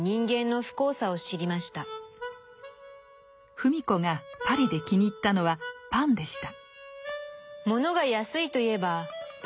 芙美子がパリで気に入ったのはパンでした。